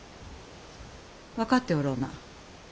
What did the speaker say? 分かっておろうな。